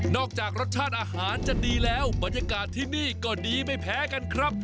จากรสชาติอาหารจะดีแล้วบรรยากาศที่นี่ก็ดีไม่แพ้กันครับ